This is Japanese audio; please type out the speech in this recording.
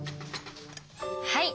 はい！